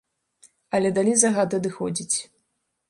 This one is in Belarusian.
Але далі загад адыходзіць.